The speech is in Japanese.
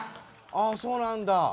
あそうなんだ。